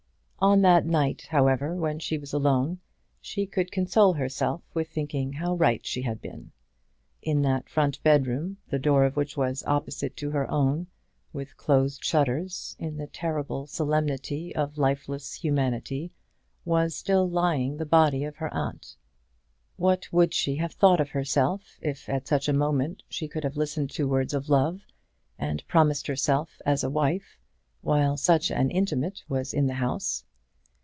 On that night, however, when she was alone, she could console herself with thinking how right she had been. In that front bedroom, the door of which was opposite to her own, with closed shutters, in the terrible solemnity of lifeless humanity, was still lying the body of her aunt! What would she have thought of herself if at such a moment she could have listened to words of love, and promised herself as a wife while such an inmate was in the house?